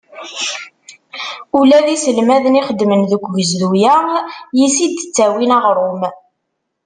Ula d iselmaden ixeddmen deg ugezdu-a yis-s i d-ttawin aɣrum.